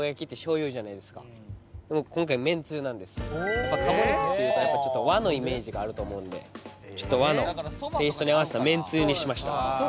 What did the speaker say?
とここで鴨肉というとやっぱちょっと和のイメージがあると思うんでちょっと和のテイストに合わせためんつゆにしました。